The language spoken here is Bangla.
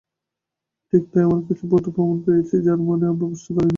ঠিক তাই, আমরা কিছু ভৌত প্রমাণ পেয়েছি যার মানে আমরা বুঝতে পারেনি।